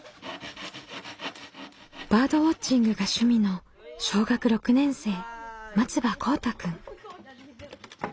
バードウォッチングが趣味の小学６年生松場こうたくん。